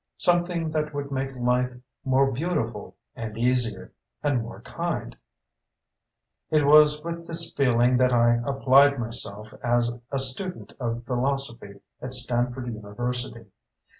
Something that would make life more beautiful, and easier, and more kind. It was with this feeling that I applied myself as a student of philosophy at Stanford University.